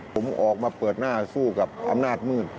ผมออกมาเปิดหน้าสู้กับอำนาจมืด